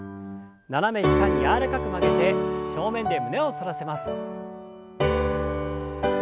斜め下に柔らかく曲げて正面で胸を反らせます。